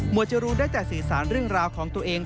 จรูนได้แต่สื่อสารเรื่องราวของตัวเอง